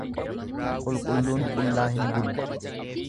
Qulqulluun qullaa hin bulu.